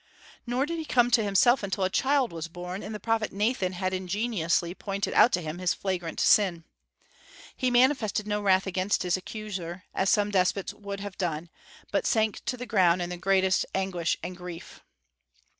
Nor did he come to himself until a child was born, and the prophet Nathan had ingeniously pointed out to him his flagrant sin. He manifested no wrath against his accuser, as some despots would have done, but sank to the ground in the greatest anguish and grief.